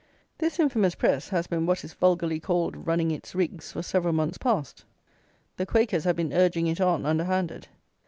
This infamous press has been what is vulgarly called "running its rigs," for several months past. The Quakers have been urging it on, under handed.